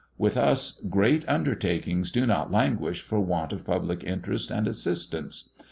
With us great undertakings do not languish for want of public interest and assistance.